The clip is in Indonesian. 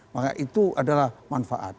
maka itu adalah manfaat